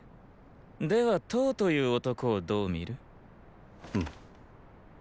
では騰という男をどう見る？！